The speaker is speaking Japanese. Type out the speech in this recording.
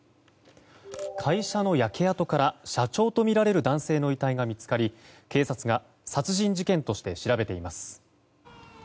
会社の焼け跡から社長とみられる男性の遺体が見つかり警察が殺人事件として調べています。